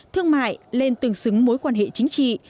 thương mại lên tương xứng mối quan hệ chính trị